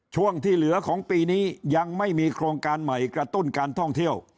ช่วงที่เหลือของปีนี้ยังไม่มีโครงการใหม่กระตุ้นการท่องเที่ยว